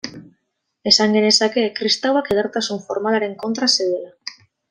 Esan genezake kristauak edertasun formalaren kontra zeudela.